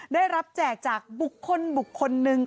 ได้รับแจกจากบุคคลคนหนึ่ง